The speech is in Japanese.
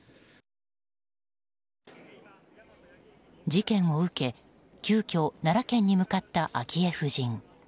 事件を受け急きょ奈良県に向かった昭恵夫人。